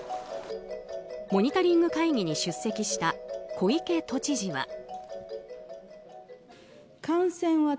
モニタリング会議に出席した小池都知事は。